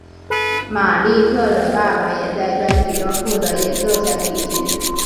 玛莉特的爸爸也在专辑中负责演奏小提琴。